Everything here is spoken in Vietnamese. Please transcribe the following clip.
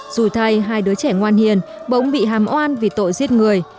dù thay hai đứa trẻ ngoan hiền bỗng bị hàm oan vì tội giết người